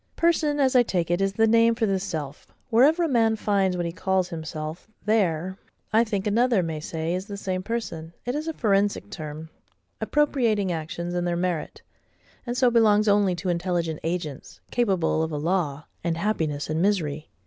PERSON, as I take it, is the name for this self. Wherever a man finds what he calls himself, there, I think, another may say is the same person. It is a forensic term, appropriating actions and their merit; and so belongs only to intelligent agents, capable of a law, and happiness, and misery.